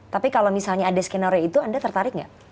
tapi kalau misalnya ada skenario itu anda tertarik nggak